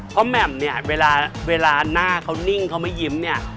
เพราะแหม่มเนี่ยเวลาหน้าเขานิ่งเขาไม่ยิ้มเนี่ย